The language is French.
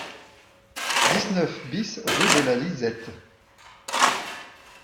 dix-neuf BIS rue de la Lisette